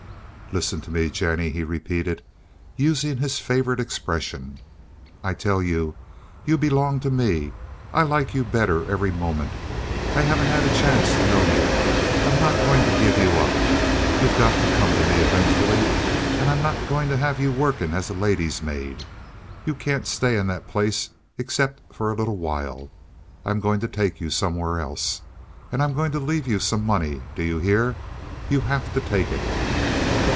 "Listen to me, Jennie," he repeated, using his favorite expression. "I tell you you belong to me. I like you better every moment. I haven't had a chance to know you. I'm not going to give you up. You've got to come to me eventually. And I'm not going to have you working as a lady's maid. You can't stay in that place except for a little while. I'm going to take you somewhere else. And I'm going to leave you some money, do you hear? You have to take it."